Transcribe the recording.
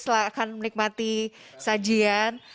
silahkan menikmati sajian